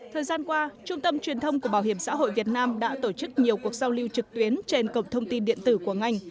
thời gian qua trung tâm truyền thông của bảo hiểm xã hội việt nam đã tổ chức nhiều cuộc giao lưu trực tuyến trên cổng thông tin điện tử của ngành